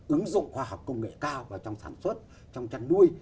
ứng dụng khoa học công nghệ cao vào trong sản xuất trong trang đuôi